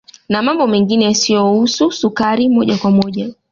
Na mambo mengine yasiyohusu sukari moja kwa moja